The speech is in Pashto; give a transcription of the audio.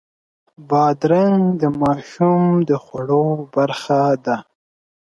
بادرنګ د ماشوم د خوړو برخه ده.